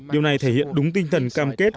điều này thể hiện đúng tinh thần cam kết